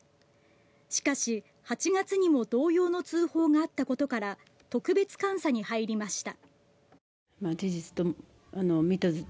しかし、８月にも同様の通報があったことから特別監査に入りました。